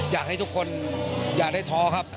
อยากให้ทุกคนอย่าได้ท้อครับ